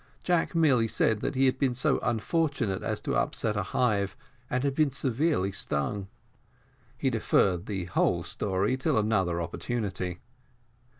Jack merely said that he had been so unfortunate as to upset a hive, and had been severely stung. He deferred the whole story till another opportunity.